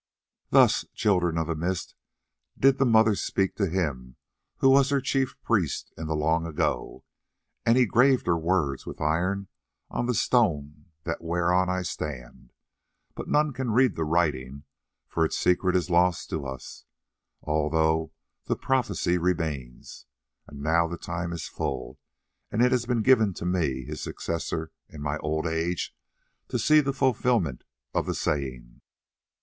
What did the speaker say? "Thus, Children of the Mist, did the Mother speak to him who was her chief priest in the long ago, and he graved her words with iron on the stone of that whereon I stand, but none can read that writing, for its secret is lost to us, although the prophecy remains. And now the time is full, and it has been given to me, his successor, in my old age, to see the fulfilment of the saying.